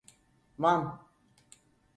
Van…